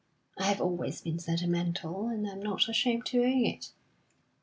I have always been sentimental, and I am not ashamed to own it.